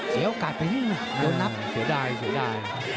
เสียโอกาสไปที่นี่นะโดนนับเสียดายเสียดาย